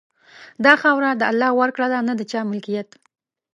دا خاوره د الله ورکړه ده، نه د چا ملکیت.